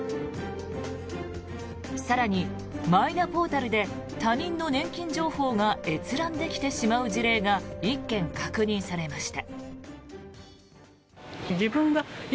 更にマイナポータルで他人の年金情報が閲覧できてしまう事例が１件確認されました。